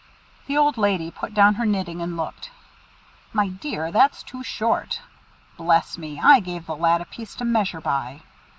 The old lady put down her knitting and looked. "My dear, that's too short. Bless me! I gave the lad a piece to measure by."